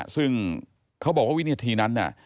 ซึ่งเขาบอกว่าวินิทีนั้น